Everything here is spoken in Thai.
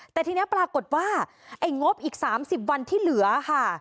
แต่ทีนี้ปรากฏว่าไอ้งบอีก๓๐วันที่เหลือค่ะ